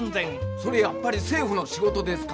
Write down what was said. それやっぱり政府の仕事ですか？